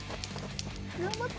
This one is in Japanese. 頑張って！